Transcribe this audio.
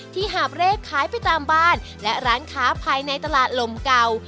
หาบเร่ขายไปตามบ้านและร้านค้าภายในตลาดลมเก่า